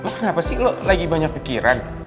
lo kenapa sih lo lagi banyak pikiran